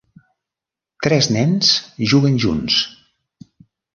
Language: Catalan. Tres nens juguen junts